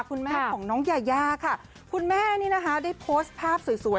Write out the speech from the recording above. คุณแม่ของน้องยายาค่ะคุณแม่นี่นะคะได้โพสต์ภาพสวย